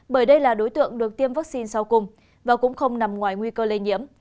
bởi đây là đối tượng được tiêm vaccine sau cùng và cũng không nằm ngoài nguy cơ lây nhiễm